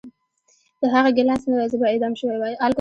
که هغه ګیلاس نه وای زه به اعدام شوی وای